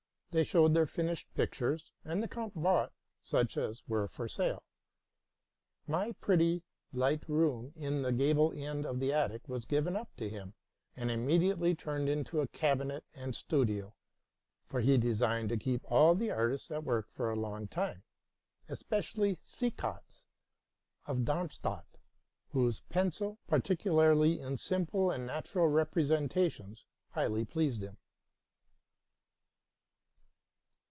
They showed their finished pictures, and the count bought such as were for sale. My pretty, light room in the gable end of the attic was given up to him, and immediately turned into a cabinet and studio ; for he designed to keep all the artists at work for a long time, especially Seekatz of Darmstadt, whose pencil, particularly in simple and natural representations, highly pleased him.